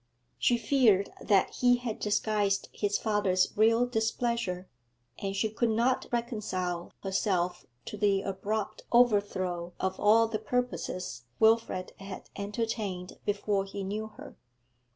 She feared that he had disguised his father's real displeasure, and she could not reconcile herself to the abrupt overthrow of all the purposes Wilfrid had entertained before he knew her.